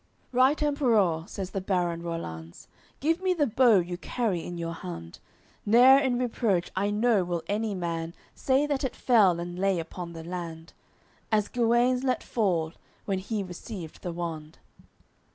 AOI. LXI "Right Emperour," says the baron Rollanz, "Give me the bow you carry in your hand; Neer in reproach, I know, will any man Say that it fell and lay upon the land, As Guenes let fall, when he received the wand."